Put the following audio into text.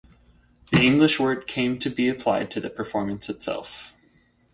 The English word came to be applied to the performance itself.